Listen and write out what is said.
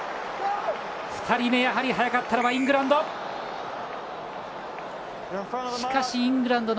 ２人目、やはり早かったのはイングランド。